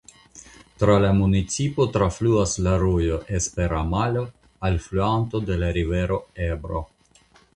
Tra la municipo trafluas la rojo Esperamalo alfluanto de la rivero Ebro.